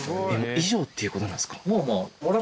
以上っていう事なんですか？